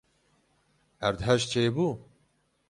Erdhej çêbû?